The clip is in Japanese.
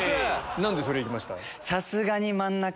何でそれいきました？